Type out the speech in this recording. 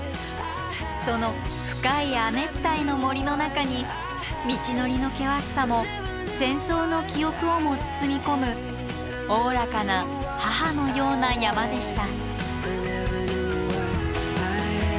その深い亜熱帯の森の中に道のりの険しさも戦争の記憶をも包み込むおおらかな母のような山でした。